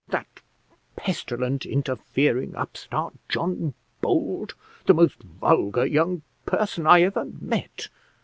that pestilent, interfering upstart, John Bold; the most vulgar young person I ever met!